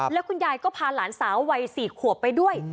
แล้วคุณยายก็พาหลานสาววัย๔ขวบไปด้วย